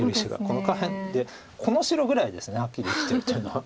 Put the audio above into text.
この下辺でこの白ぐらいですはっきりしてるっていうのは。